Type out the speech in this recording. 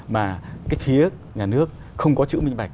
mà cái phía nhà nước không có chữ minh bạch